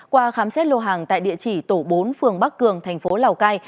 qua khám xét lô hàng tại địa chỉ tổ bốn phường bắc cường thành phố lào cai